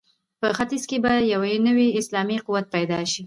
په ختیځ کې به یو نوی اسلامي قوت پیدا شي.